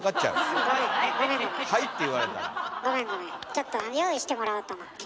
ちょっと用意してもらおうと思って。